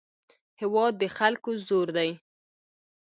هېواد د خلکو زور دی.